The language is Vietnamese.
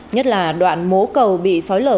nhất là đoạn mố cầu bị sói lở